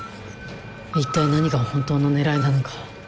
一体何が本当の狙いなのか。